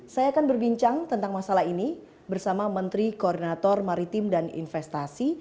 saya akan berbincang tentang masalah ini bersama menteri koordinator maritim dan investasi